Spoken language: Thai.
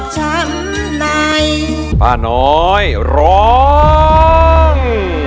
สวัสดีครับ